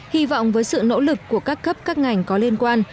hy vọng với sự nỗ lực của các cấp các ngành có liên quan